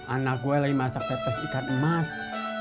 anak gue lagi masak pepes ikan emas